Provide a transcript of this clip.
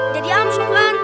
jadi amsun kan